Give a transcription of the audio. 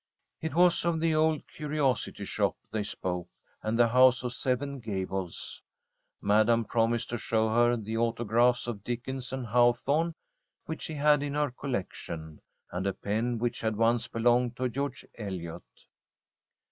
It was of the Old Curiosity Shop they spoke, and the House of Seven Gables. Madam promised to show her the autographs of Dickens and Hawthorne, which she had in her collection, and a pen which had once belonged to George Eliot.